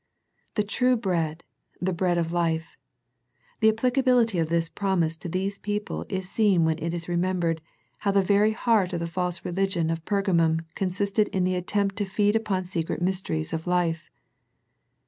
The true bread, the bread of Hfe. The applicability of this promise to these people is seen when it is remembered how the very heart of the false religion of Pergamum con sisted in the attempt to feed upon secret mys teries of life.